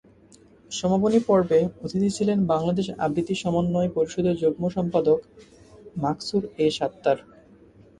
সমাপনী পর্বে অতিথি ছিলেন বাংলাদেশ আবৃত্তি সমন্বয় পরিষদের যুগ্ম সম্পাদক মাসকুর-এ-সাত্তার।